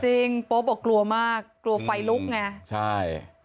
จริงป๊อบบอกกลัวมากกลัวไฟลุกไง